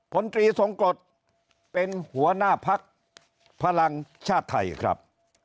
ตรีทรงกฎเป็นหัวหน้าพักพลังชาติไทยครับ